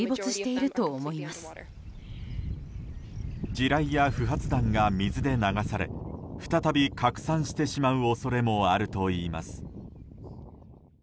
地雷や不発弾が水で流され再び拡散してしまう恐れもあるといいます。